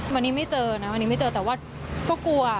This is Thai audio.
วันนี้ไม่เจอนะวันนี้ไม่เจอแต่ว่าก็กลัว